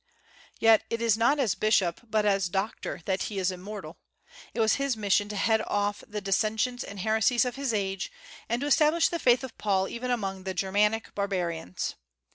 Yet it is not as bishop, but as doctor, that he is immortal. It was his mission to head off the dissensions and heresies of his age, and to establish the faith of Paul even among the Germanic barbarians.